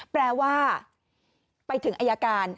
แปลว่าไปถึงอายการ